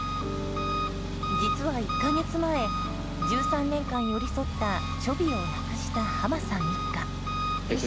実は１か月前１３年間寄り添ったちょびを亡くした濱さん一家。